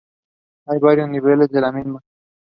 I was hear before any of you.